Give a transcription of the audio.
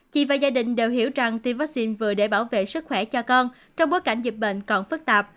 chị và gia đình đều hiểu rằng tiêm vaccine vừa để bảo vệ sức khỏe cho con trong bối cảnh dịch bệnh còn phức tạp